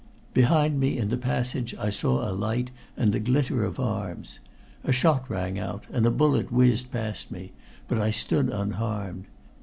Behind me in the passage I saw a light and the glitter of arms. A shot rang out, and a bullet whizzed past me, but I stood unharmed.